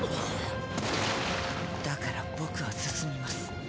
だから僕は進みます。